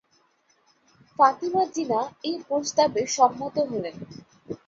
ফাতিমা জিন্নাহ এ প্রস্তাবে সম্মত হলেন।